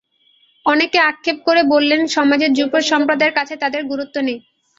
অনেকে আক্ষেপ করে বললেন, সমাজের যুব সম্প্রদায়ের কছে তাঁদের গুরুত্ব নেই।